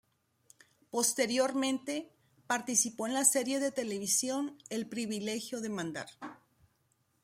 Posteriormente, participó en la serie de televisión, "El privilegio de mandar".